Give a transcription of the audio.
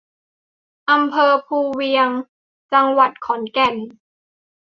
อำเภอภูเวียง จังหวัดขอนแก่น